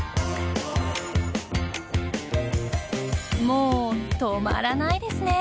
もう止まらないですね。